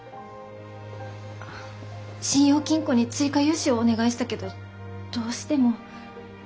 信用金庫に追加融資をお願いしたけどどうしても。